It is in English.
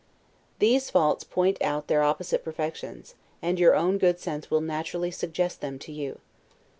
These faults point out their opposite perfections, and your own good sense will naturally suggest them to you.